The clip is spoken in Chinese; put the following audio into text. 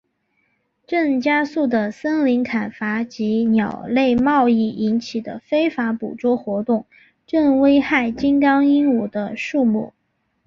正加速的森林砍伐及鸟类贸易引起的非法捕捉活动正危害金刚鹦鹉的数目。